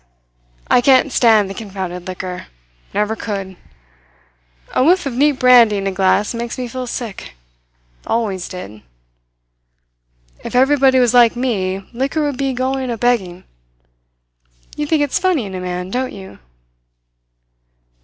I can't stand the confounded liquor. Never could. A whiff of neat brandy in a glass makes me feel sick. Always did. If everybody was like me, liquor would be going a begging. You think it's funny in a man, don't you?"